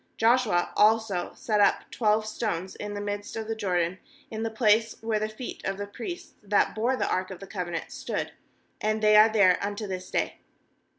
9Joshua also set up twelve stones in the midst of the Jordan, in the place where the feet of the priests that bore the ark of the covenant stood; and they are there unto this day.